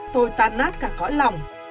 tôi tàn nát cả cõi lòng